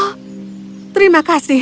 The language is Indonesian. oh terima kasih